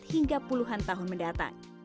sehingga puluhan tahun mendatang